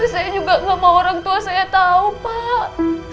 saya juga gak mau orang tua saya tau pak